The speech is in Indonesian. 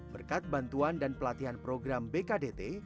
berkat bantuan dan pelatihan program bkdt